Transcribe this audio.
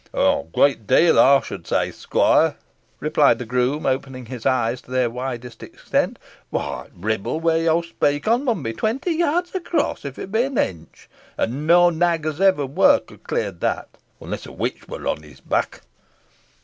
"A great deal, ey should say, squoire," replied the groom, opening his eyes to their widest extent. "Whoy, th' Ribble, where yo speak on, mun be twenty yards across, if it be an inch; and no nag os ever wur bred could clear that, onless a witch wur on his back."